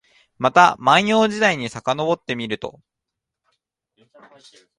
また万葉時代にさかのぼってみると、